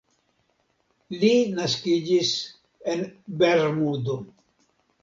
Li naskiĝis en Bermudo.